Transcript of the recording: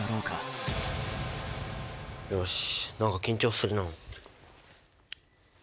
よし何か緊張するなあ。